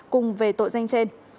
cùng về tội danh trên